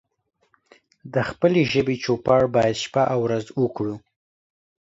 د خپلې ژبې چوپړ بايد شپه او ورځ وکړو